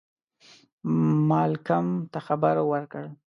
مالکم ته خبر ورکړ.